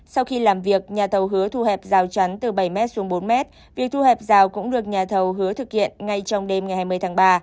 sau khi làm việc nhà thầu hứa thu hẹp rào chắn từ bảy m xuống bốn m việc thu hẹp rào cũng được nhà thầu hứa thực hiện ngay trong đêm ngày hai mươi tháng ba